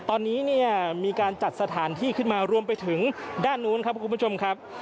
ตอนนี้เนี่ยมีการจัดสถานที่ขึ้นมารวมไปถึงด้านนู้นครับคุณผู้ชมครับ